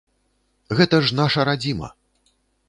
Гэта ж наша радзіма.